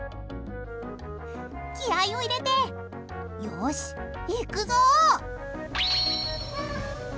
気合を入れてよし、行くぞ！